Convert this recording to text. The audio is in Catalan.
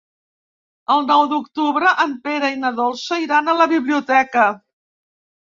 El nou d'octubre en Pere i na Dolça iran a la biblioteca.